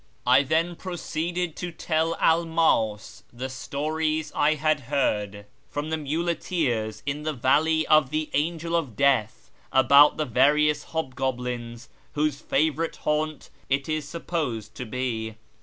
I then proceeded to tell Elmas the stories I had heard from the muleteers in the Valley of the Angel of Death about the various hobgoblins whose favourite haunt it is supposed to be.